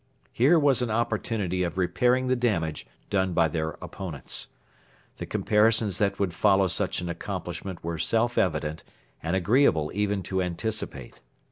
Here was an opportunity of repairing the damage done by their opponents. The comparisons that would follow such an accomplishment were self evident and agreeable even to anticipate.